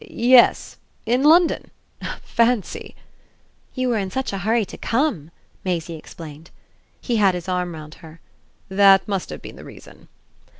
"Yes in London: fancy!" "You were in such a hurry to come," Maisie explained. He had his arm round her. "That must have been the reason."